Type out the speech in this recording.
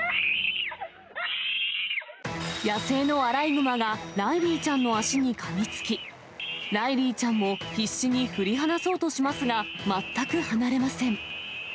野生のアライグマが、ライリーちゃんの足にかみつき、ライリーちゃんも必死に振り離そうとしますが、全く離れません。